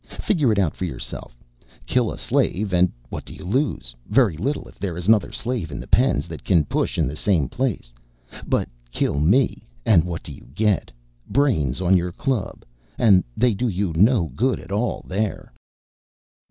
Figure it out for yourself. Kill a slave and what do you lose? Very little if there is another slave in the pens that can push in the same place. But kill me and what do you get? Brains on your club and they do you no good at all there."